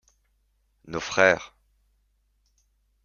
Nos frères.